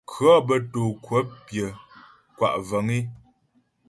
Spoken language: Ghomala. Kʉɔ̌ bə́ tǒ kwəp pyə̌ kwa' vəŋ é.